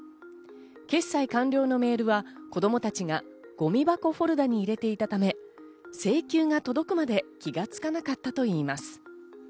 決済完了のメールは子供たちがゴミ箱フォルダに入れていたため請求が届くまで気がつかなかったといいます。